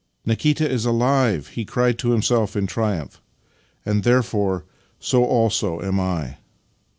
" Nikita is alive! " he cried to himself in triumph, " and there fore so also am I!